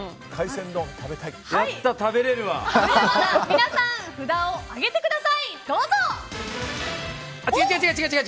皆さん、札を上げてください。